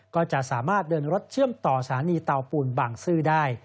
ก็จะสามารถเดินรถเชื่อมต่อสถานีเตาปูนบางซื่อได้